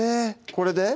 これで？